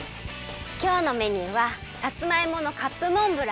きょうのメニューはさつまいものカップモンブランにきまり！